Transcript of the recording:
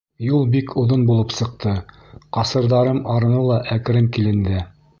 Юл бик оҙон булып сыҡты, ҡасырҙарым арыны лә әкрен киленде.